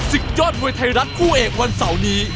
ศึกยอดมวยไทยรัฐคู่เอกวันเสาร์นี้